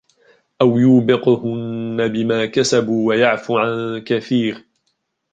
أَوْ يُوبِقْهُنَّ بِمَا كَسَبُوا وَيَعْفُ عَنْ كَثِيرٍ